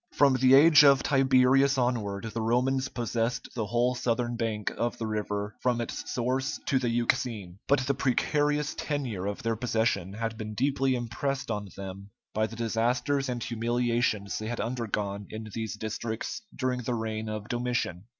From the age of Tiberius onward, the Romans possessed the whole southern bank of the river from its source to the Euxine. But the precarious tenure of their possession, had been deeply impressed on them by the disasters and humiliations they had undergone in these districts during the reign of Domitian.